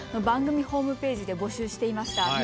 番組ホームページで募集していました